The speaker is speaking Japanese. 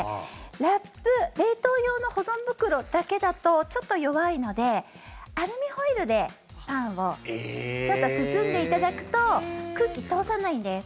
ラップ、冷凍用の保存袋だけだとちょっと弱いのでアルミホイルでパンをちょっと包んでいただくと空気、通さないんです。